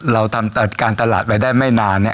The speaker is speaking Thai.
เราทำการตลาดมันไปได้ไม่นาน